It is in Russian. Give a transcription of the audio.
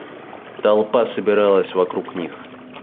Толпа собиралась вокруг них.